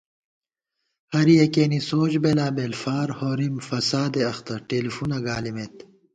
ہر یَکِیَنی سوچ بېلابېل فار ہورِم فسادے اختہ ٹېلیفُونہ گالِمېت